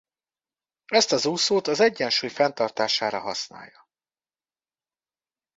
Ezt az úszót a egyensúly fenntartására használja.